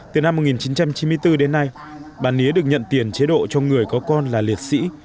từ năm một nghìn chín trăm chín mươi bốn đến nay bà nía được nhận tiền chế độ cho người có con là liệt sĩ